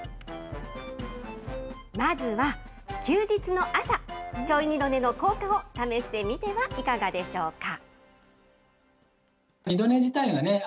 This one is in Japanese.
まずは、休日の朝、ちょい二度寝の効果を試してみてはいかがでしょうか。